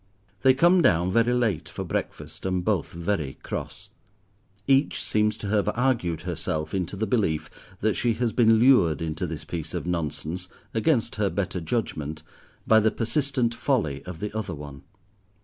They come down very late for breakfast, and both very cross. Each seems to have argued herself into the belief that she has been lured into this piece of nonsense, against her better judgment, by the persistent folly of the other one.